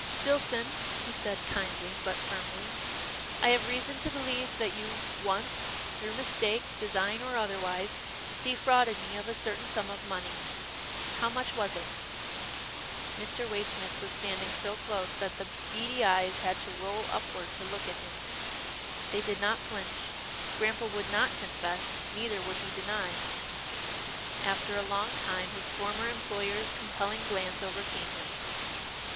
" Dillson," he said kindly, but firmly, " I have reason to believe that you once, through mistake, design or otherwise, defrauded me of a certain sum of money. How much was it ?" Mr. Waysmith was standing so close that the beady eyes had to roll upward to look at him. They did not flinch. Grampa would not confess, neither would he deny. After a long time, his former employer's com pelling glance overcame him.